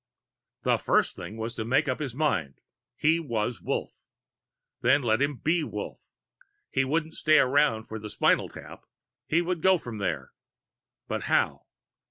The first thing was to make up his mind: He was Wolf. Then let him be Wolf. He wouldn't stay around for the spinal tap; he would go from there. But how?